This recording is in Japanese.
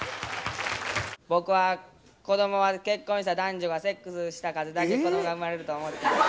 僕は子供は結婚した男女がセックスした数だけ子供が生まれると思ってました。